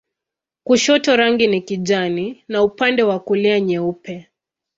Kushoto rangi ni kijani na upande wa kulia nyeupe.